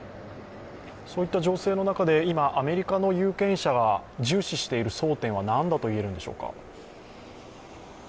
そういった情勢の中で今、アメリカの有権者が重視している焦点は何だと言えるでしょうか。